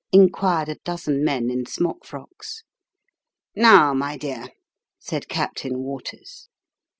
inquired a dozen men in smock frocks. " Now, my dear !" said Captain Waters.